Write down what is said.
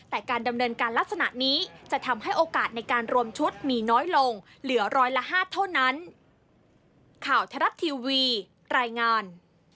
แต่การดำเนินการลักษณะนี้จะทำให้โอกาสในการรวมชุดมีน้อยลงเหลือร้อยละ๕เท่านั้น